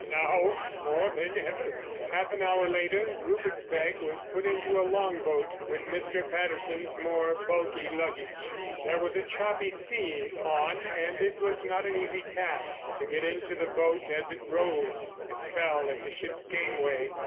"Now, more than ever." Half an hour later Rupert's bag was put into a long boat with Mr. Patterson's more bulky luggage. There was a choppy sea on and it was not an easy task to get into the boat as it rose and fell at the ship's gangway.